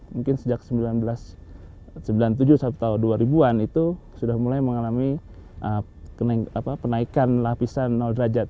mungkin sejak seribu sembilan ratus sembilan puluh tujuh atau dua ribu an itu sudah mulai mengalami penaikan lapisan derajat